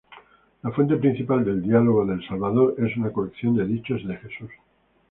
La fuente principal del Diálogo del Salvador es una colección de dichos de Jesús.